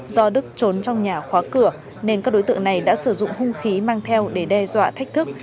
do đức trốn trong nhà khóa cửa nên các đối tượng này đã sử dụng hung khí mang theo để đe dọa thách thức